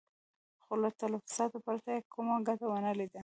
خو له تلفاتو پرته يې کومه ګټه ونه ليده.